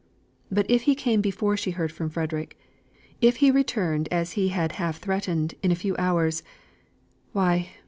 But if he came before she heard from Frederick; if he returned, as he had half threatened, in a few hours, why!